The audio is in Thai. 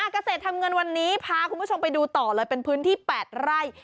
เกษตรทำเงินวันนี้พาคุณผู้ชมไปดูต่อเลยเป็นพื้นที่๘ไร่